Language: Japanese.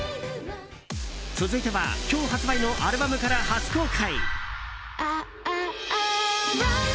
続いては今日発売のアルバムから初公開。